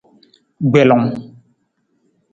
Gbelung.